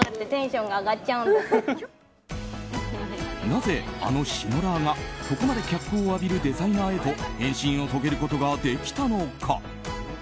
なぜ、あのシノラーがここまで脚光を浴びるデザイナーへと変身を遂げることができたのか。